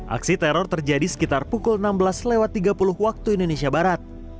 aksi teror terjadi sekitar pukul enam belas tiga puluh waktu indonesia barat